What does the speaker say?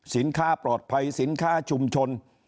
สินค้าปลอดภัยสินค้าชุมชน